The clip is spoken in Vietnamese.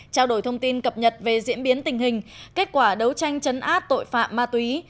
trao đổi thông tin cập nhật về diễn biến tình hình kết quả đấu tranh chấn át tội phạm ma túy